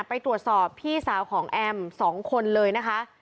ไปตรวจสอบพี่สาวของแอม๒คนเลยนะคะ